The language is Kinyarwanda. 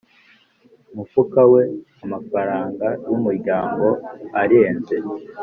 mufuka we amafaranga y umuryango arenze